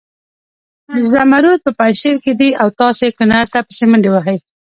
زمرود په پنجشیر کې دي او تاسې کنړ ته پسې منډې وهئ.